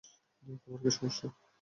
তোমার কি সমস্যা?